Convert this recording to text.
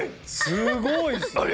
すごいですね！